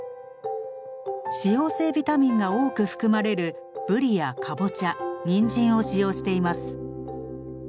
脂溶性ビタミンが多く含まれるぶりやかぼちゃにんじんを使用しています。